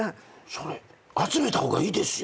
それ集めた方がいいですよ。